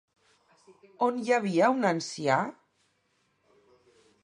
On hi havia un ancià?